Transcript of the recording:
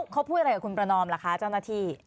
เขาพูดอะไรกับคุณประนอมล่ะคะเจ้าหน้าที่